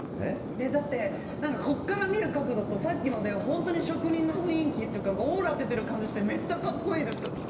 だって、ここから見る角度とさっきので本当に職人の雰囲気というかオーラ出てる感じしてめっちゃ格好いいです。